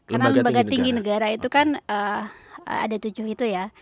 karena lembaga tinggi negara itu kan ada tujuh itu ya